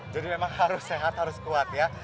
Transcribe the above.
jadi memang harus sehat harus kuat ya